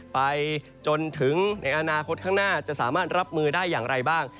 ไปจนถึงในอนาคตข้างหน้าจะสามารถรับมือได้อย่างไรบ้าง